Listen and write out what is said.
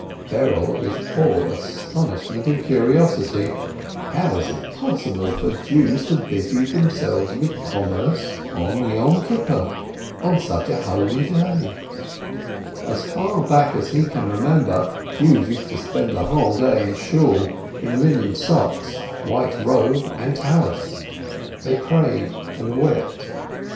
Berel is all astonishment and curiosity: how is it possible for Jews to busy themselves with commerce on Yom Kip pur? on such a holy day? As far back as he can remember, Jews used to spend the whole day in Shool, in linen socks, white robe, and prayer scarf. They prayed and wept.